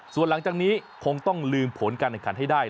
ส่วนหลังจากนี้คงต้องลืมผลการแข่งขันให้ได้